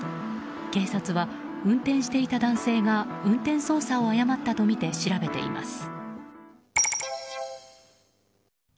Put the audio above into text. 警察は運転していた男性が運転操作を誤ったとみて調べています。